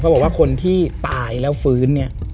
บอกว่าคนที่ตายแล้วฟื้นเนี่ย